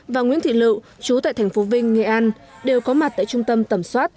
và nguyễn thị lự chú tại thành phố vinh nghệ an đều có mặt tại trung tâm tâm soát